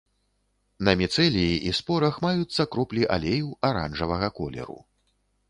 На міцэліі і спорах маюцца кроплі алею аранжавага колеру.